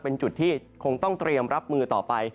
เป็นจุดที่คงต้องเตรียมรับมือต่อไป